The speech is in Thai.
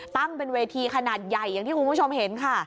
ตั้งเป็นเวทีขนาดใหญ่อย่างที่คุณผู้ชมเห็นค่ะ